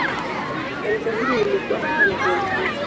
Kanisa hili lilikuwa hapa na vyanzo vyake.